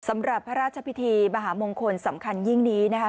สำหรับพระราชพิธีมหามงคลสำคัญยิ่งนี้นะคะ